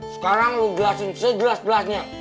sekarang lu jelasin segelas gelasnya